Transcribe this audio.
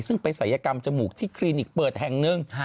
ซึ่งไปศัยกรรมจมูกที่คลินิกเปิดแห่งหนึ่ง